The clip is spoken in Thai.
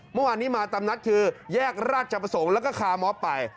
เมื่อวานนี้มาตามนัดคือแยกราชประสงค์แล้วก็คามอบไป